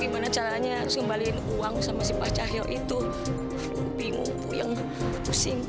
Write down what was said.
menyebabkan sudah ter equ ret wounds